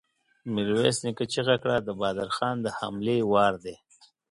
ميرويس نيکه چيغه کړه! د بهادر خان د حملې وار دی!